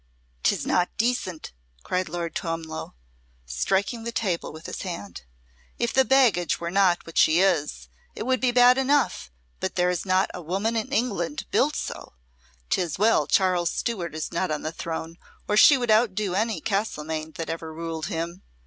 "Tis not decent," cried Lord Twemlow, striking the table with his hand. "If the baggage were not what she is, it would be bad enough, but there is not a woman in England built so. 'Tis well Charles Stuart is not on the throne, or she would outdo any Castlemaine that ever ruled him.